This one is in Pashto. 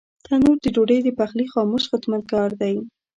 تنور د ډوډۍ د پخلي خاموش خدمتګار دی